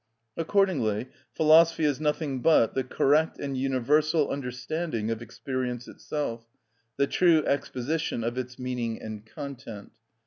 Accordingly philosophy is nothing but the correct and universal understanding of experience itself, the true exposition of its meaning and content.